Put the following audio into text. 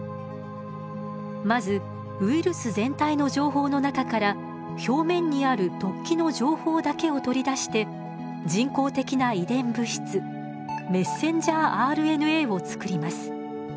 まずウイルス全体の情報の中から表面にある突起の情報だけを取り出して人工的な遺伝物質ｍＲＮＡをつくります。